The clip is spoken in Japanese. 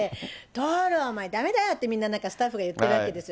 徹、お前、だめだよって、みんな、なんかスタッフが言ってるわけですよ。